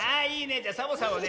じゃサボさんはね